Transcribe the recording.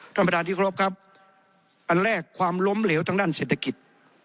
ท่านประธานที่ครบครับอันแรกความล้มเหลวทางด้านเศรษฐกิจ